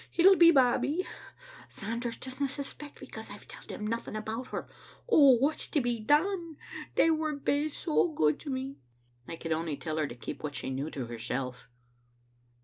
It'll be Babbie. Sanders doesna suspect, because I've telled him noth ing about her. Oh, what's to be done? They were baith so good to me. " I could only tell her to keep what she knew to herself.